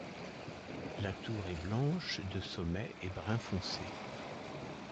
La tour est blanche de sommet est brun foncé.